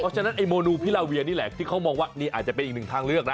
ฉะนั้นไอ้โมนูพิลาเวียนี่แหละที่เขามองว่านี่อาจจะเป็นอีกหนึ่งทางเลือกนะ